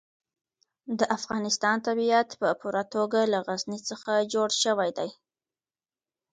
د افغانستان طبیعت په پوره توګه له غزني څخه جوړ شوی دی.